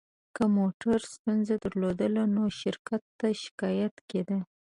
که موټر ستونزه درلوده، نو شرکت ته شکایت کېده.